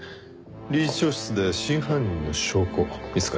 「理事長室で真犯人の証拠見つかりました」。